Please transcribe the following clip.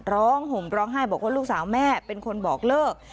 ห่มร้องไห้บอกว่าลูกสาวแม่เป็นคนบอกเลิก